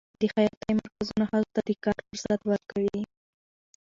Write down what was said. د خیاطۍ مرکزونه ښځو ته د کار فرصت ورکوي.